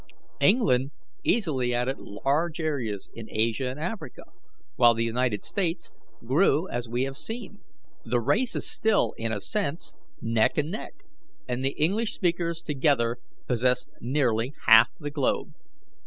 England easily added large areas in Asia and Africa, while the United States grew as we have seen. The race is still, in a sense, neck and neck, and the English speakers together possess nearly half the globe.